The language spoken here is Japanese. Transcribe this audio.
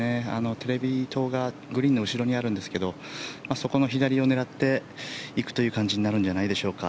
テレビ塔がグリーンの後ろにあるんですがそこの左を狙っていくという感じになるんじゃないでしょうか。